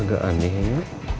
agak aneh ya